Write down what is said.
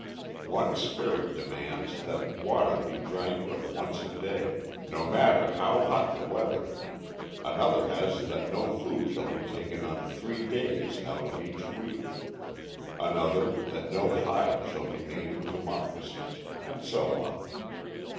One spirit demands that water be drank but once a day, no matter how hot the weather; another that no food shall be taken on three days out of each week; another that no hide shall be made into moccasins, and so on.